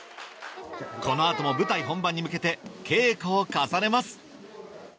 この後も舞台本番に向けて稽古を重ねます